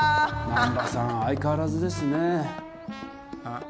難破さん相変わらずですね。あっ？